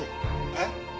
えっ？